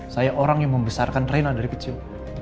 saya orang yang membesarkan raina dari kecil